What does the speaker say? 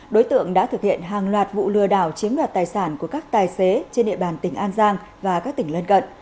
đối tượng đã thực hiện hàng loạt vụ lừa đảo chiếm đoạt tài sản của các tài xế trên địa bàn tỉnh an giang và các tỉnh lân cận